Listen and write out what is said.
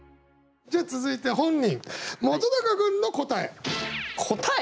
じゃあ続いて本人答え！？